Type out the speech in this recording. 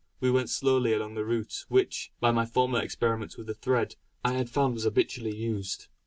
We went slowly along the route, which, by my former experiments with the thread, I had found was habitually used.